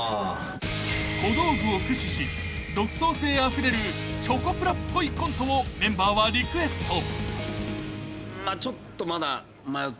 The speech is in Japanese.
［小道具を駆使し独創性あふれるチョコプラっぽいコントをメンバーはリクエスト］